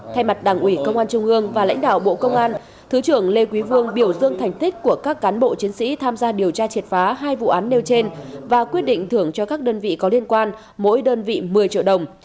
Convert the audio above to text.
thay mặt đảng ủy công an trung ương và lãnh đạo bộ công an thứ trưởng lê quý vương biểu dương thành tích của các cán bộ chiến sĩ tham gia điều tra triệt phá hai vụ án nêu trên và quyết định thưởng cho các đơn vị có liên quan mỗi đơn vị một mươi triệu đồng